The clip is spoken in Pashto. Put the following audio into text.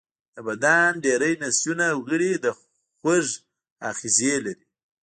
د بدن ډیری نسجونه او غړي د خوږ آخذې لري.